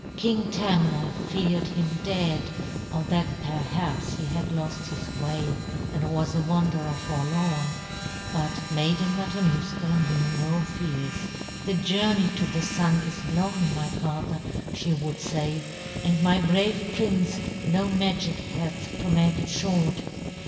King Tamna feared him dead or that perhaps he had lost his way and was a wanderer forlorn; but Maiden Matanuska knew no fears. "The journey to the Sun is long, my father," she would say, "and my brave prince no magic hath to make it short.